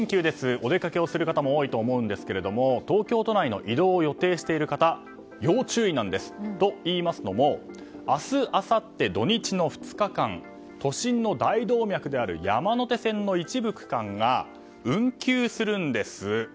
お出かけをする方も多いと思うんですけども東京都内の移動を予定している方、要注意なんです。といいますのも明日、あさって、土日の２日間都心の大動脈である山手線の一部区間が運休するんです。